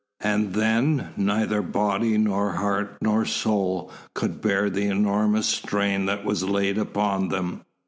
And then, neither body, nor heart, nor soul, could bear the enormous strain that was laid upon them.